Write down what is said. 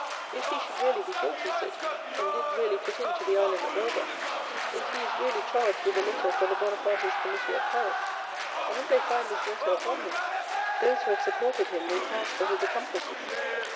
'If he should really be guilty,' said he, 'and did really put in to the Island of Elba; if he is really charged with a letter for the Bonapartist committee at Paris, and if they find this letter upon him, those who have supported him will pass for his accomplices.